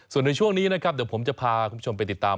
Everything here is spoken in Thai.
ส่วนในช่วงนี้นะครับเดี๋ยวผมจะพาคุณผู้ชมไปติดตาม